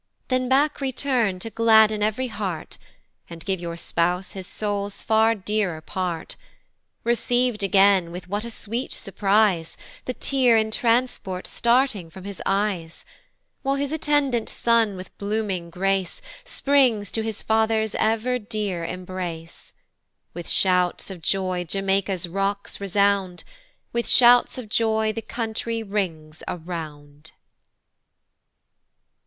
Then back return to gladden ev'ry heart, And give your spouse his soul's far dearer part, Receiv'd again with what a sweet surprise, The tear in transport starting from his eyes! While his attendant son with blooming grace Springs to his father's ever dear embrace. With shouts of joy Jamaica's rocks resound, With shouts of joy the country rings around.